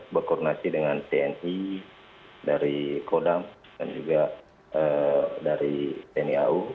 berkoordinasi dengan tni dari kodam dan juga dari tni au